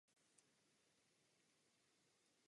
Dále jí květiny a hmyz.